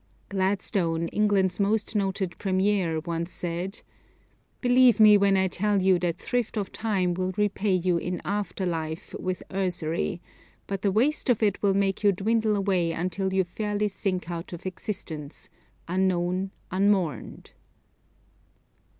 Gladstone, England's most noted Premier, once said, "Believe me when I tell you that thrift of time will repay you in after life with usury, but the waste of it will make you dwindle away until you fairly sink out of existence, unknown, unmourned."